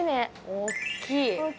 大っきい。